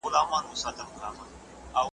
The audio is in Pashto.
د غوايی سترګي که خلاصي وي نو څه دي ,